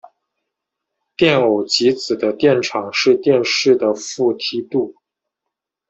电偶极子的电场是电势的负梯度。